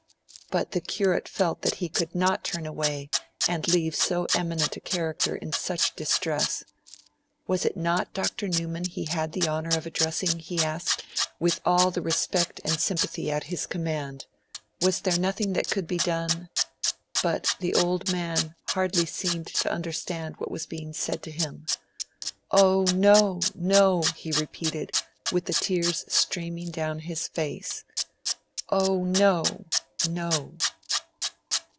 But the Curate felt that he could not run away and leave so eminent a character in such distress. 'Was it not Dr. Newman he had the honour of addressing?' he asked, with all the respect and sympathy at his command. 'Was there nothing that could be done?' But the old man hardly seemed to understand what was being said to him. 'Oh no, no!' he repeated, with the tears streaming down his face, 'Oh no, no!'